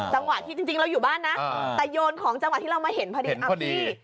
จังหวะที่จริงเราอยู่บ้านนะแต่โยนของจังหวะที่เรามาเห็นพอดีอ้าวพี่